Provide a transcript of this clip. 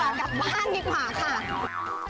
เอาตัวกลับบ้านดีกว่าค่ะ